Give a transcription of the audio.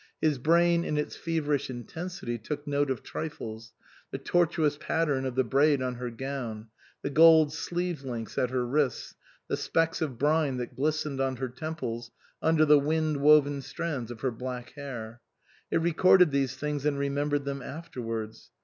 His brain in its feverish intensity took note of trifles the tortuous pattern of the braid on her gown, the gold sleeve links at her wrists, the specks of brine that glistened on her temples under the wind woven strands of her black hair ; it re corded these things and remembered them afterwards.